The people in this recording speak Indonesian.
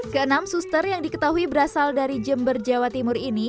keenam suster yang diketahui berasal dari jember jawa timur ini